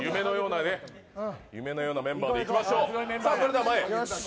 夢のようなメンバーでいきましょう。